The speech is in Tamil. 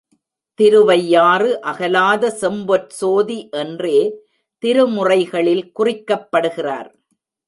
திருவையாறு அகலாத செம்பொற் சோதி என்றே திருமுறைகளில் குறிக்கப்படுகிறார்.